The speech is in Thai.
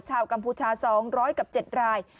กัมพูชา๒๐๐กับ๗ราย